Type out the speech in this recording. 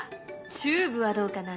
チューブはどうかな？